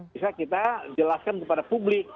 bisa kita jelaskan kepada publik